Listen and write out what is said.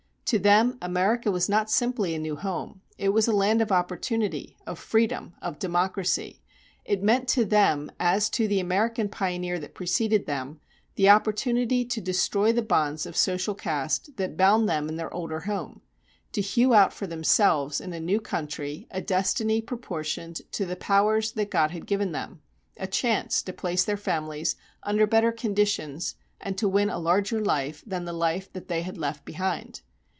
To them America was not simply a new home; it was a land of opportunity, of freedom, of democracy. It meant to them, as to the American pioneer that preceded them, the opportunity to destroy the bonds of social caste that bound them in their older home, to hew out for themselves in a new country a destiny proportioned to the powers that God had given them, a chance to place their families under better conditions and to win a larger life than the life that they had left behind.